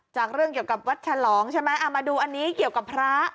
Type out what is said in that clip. จากเรื่องเกี่ยวกับวัดฉลองมาดูอันนี้เกี่ยวกับพระ